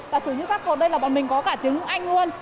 tạp dụng như các cô đây là bọn mình có cả tiếng anh luôn